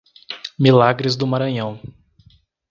Milagres do Maranhão